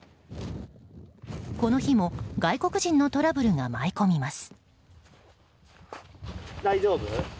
この日も外国人のトラブルが舞い込みます。